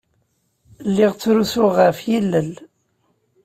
Lliɣ ttrusuɣ ɣef yilel.